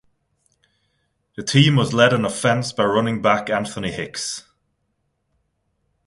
The team was led on offense by running back Anthony Hicks.